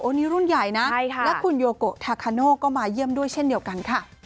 นี่รุ่นใหญ่นะและคุณโยโกทาคาโน่ก็มาเยี่ยมด้วยเช่นเดียวกันค่ะ